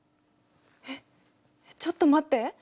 えっちょっと待って！